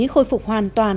khôi phục hoàn toàn